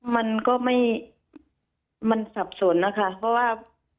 มันก็ไม่มันสับสนนะคะเพราะว่า